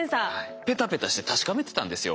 ペタペタして確かめてたんですよ私たち。